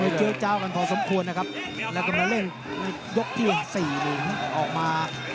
อะไรก็เหมือนจะไปเย็บน้ำเราก็พอสมควร